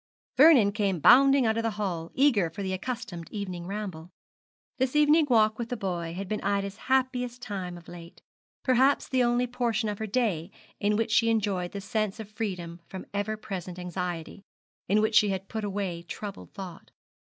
Vernon came bounding out of the hall, eager for the accustomed evening ramble. This evening walk with the boy had been Ida's happiest time of late, perhaps the only portion of her day in which she had enjoyed the sense of freedom from ever present anxiety, in which she had put away troubled thought.